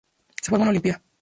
Se formó en Olimpia.